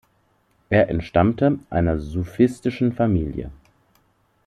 Er entstammte einer sufistischen Familie.